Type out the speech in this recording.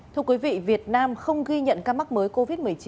thưa quý vị việt nam không ghi nhận ca mắc mới covid một mươi chín